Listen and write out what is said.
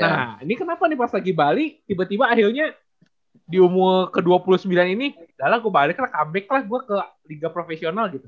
nah ini kenapa nih pas lagi balik tiba tiba akhirnya di umur ke dua puluh sembilan ini udah lah gue balik rekam back class gue ke liga profesional gitu